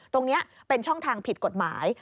ตรงนี้เป็นช่องทางผิดกฎหมาย